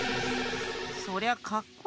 そりゃかっこいいけど。